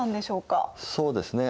そうですね。